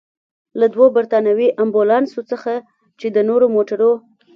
له دوو برتانوي امبولانسونو څخه، چې د نورو موټرو.